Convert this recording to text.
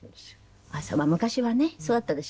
昔はねそうだったでしょうね。